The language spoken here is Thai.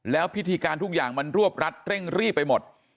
แล้วพิธีการทุกอย่างมันรวบรัดเร่งรีบไปหมด